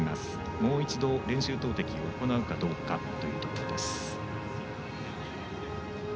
もう一度、練習投てきを行うかどうかというところ。